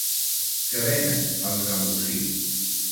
Que venen els gambosins!